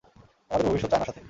আমাদের ভবিষ্যৎ চায়নার সাথে।